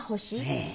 ええ。